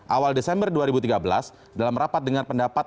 awal desember dua ribu tiga belas dalam rapat dengan pendapat